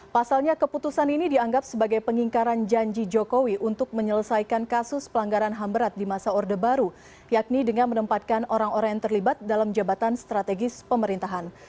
pasalnya keputusan ini dianggap sebagai pengingkaran janji jokowi untuk menyelesaikan kasus pelanggaran ham berat di masa orde baru yakni dengan menempatkan orang orang yang terlibat dalam jabatan strategis pemerintahan